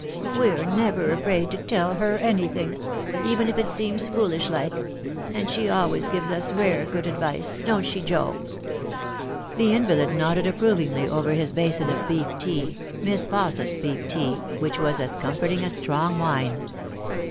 We're never afraid to tell her anything even if it seems foolish like and she always give us rare good advice don't she, Joe ?" The invalid nodded approvingly over his basin of beef tea, Miss Fausset's beef tea, which was as comforting as strong vrine.